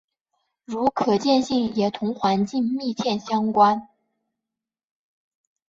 如可见性也同环境密切相关。